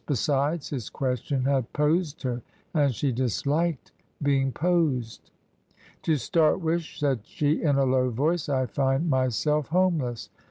Besides, his question had posed her, and she disliked being posed. " To start with," said she, in a low voice, " I find my self homeless."